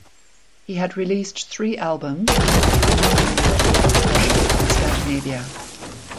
He had released three albums and had become known in Latvia, Russia and Scandinavia.